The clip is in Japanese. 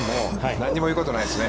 何にも言うことないですよね。